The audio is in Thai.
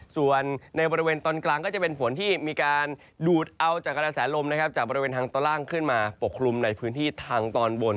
ส่วนในบริเวณตอนกลางก็จะเป็นฝนที่มีการดูดเอาจากกระแสลมนะครับจากบริเวณทางตอนล่างขึ้นมาปกคลุมในพื้นที่ทางตอนบน